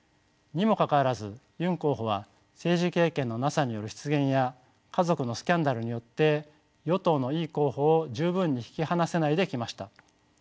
にもかかわらずユン候補は政治経験のなさによる失言や家族のスキャンダルによって与党のイ候補を十分に引き離せないできました。